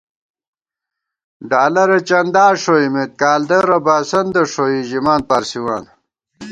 ڈالَرہ چندا ݭوئیمېت کالدارہ باسندہ ݭوئی ژِمان پارسِوان